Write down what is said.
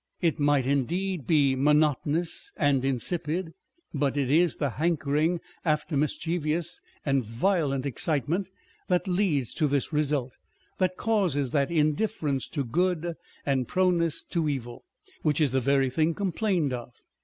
It might, indeed, be monotonous and insipid ; but it is the hankering after mischievous and violent excitement that leads to this result, that causes that indifference to good and proneness to evil, which is the very thing complained of.